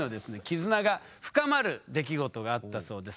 絆が深まる出来事があったそうです。